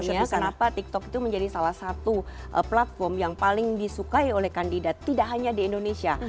jadi sebenarnya kenapa tiktok itu menjadi salah satu platform yang paling disukai oleh kandidat tidak hanya di indonesia